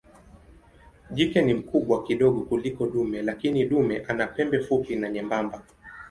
Jike ni mkubwa kidogo kuliko dume lakini dume ana pembe fupi na nyembamba.